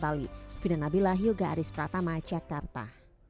pemeriksa keuangan negara anggota g dua puluh secara langsung di bali